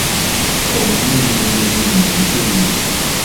Omanyi ebirungo ebiri mu nkoko eyo?